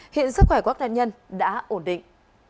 hiện sức khỏe quốc đại nhân đã ổn định